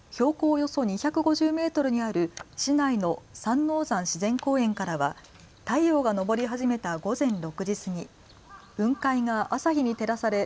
およそ２５０メートルにある市内の三王山自然公園からは太陽が昇り始めた午前６時過ぎ、雲海が朝日に照らされ